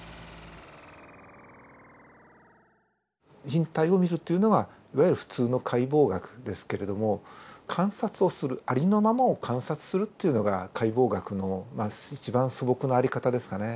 人体を見るというのがいわゆる普通の解剖学ですけれども観察をするありのままを観察するというのが解剖学の一番素朴なあり方ですかね。